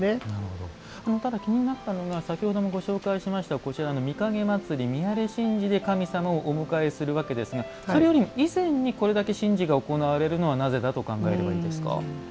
ただ気になったのが先ほどもご紹介しましたこちらの御蔭祭御阿礼神事で神様をお迎えするわけですがそれよりも以前にこれだけ神事が行われるのはなぜだと考えればいいですか。